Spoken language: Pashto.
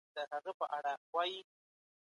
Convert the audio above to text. پاک خدای د خلګو په بې عزتۍ خبرداری ورکړی.